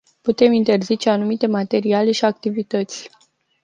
Putem interzice anumite materiale și activități.